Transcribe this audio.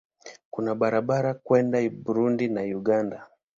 Kuna barabara kwenda Burundi na Uganda.